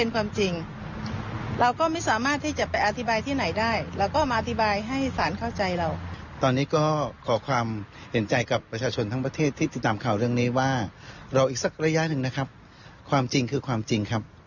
ความจริงคือความจริงครับ